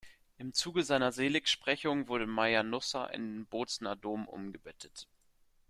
Im Zuge seiner Seligsprechung wurde Mayr-Nusser in den Bozner Dom umgebettet.